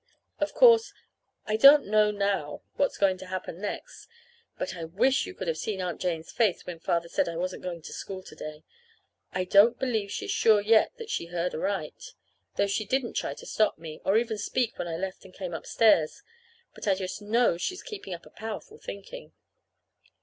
Of course, I don't know now what's going to happen next. But I wish you could have seen Aunt Jane's face when Father said I wasn't going to school to day! I don't believe she's sure yet that she heard aright though she didn't try to stop me, or even speak when I left and came upstairs. But I just know she's keeping up a powerful thinking.